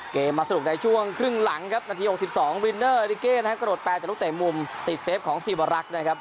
มาสนุกในช่วงครึ่งหลังครับนาที๖๒วินเนอร์ริเก้นะครับกระโดดแปลจากลูกเตะมุมติดเซฟของซีวรักษ์นะครับ